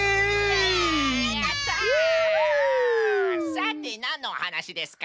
さてなんのおはなしですか？